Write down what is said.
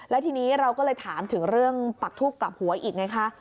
แล้วทีนี้เราก็เลยถามถึงเรื่องปักทูบกลับหัวอีกไงคะ